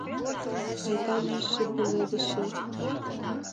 Айда-лийже пеледышым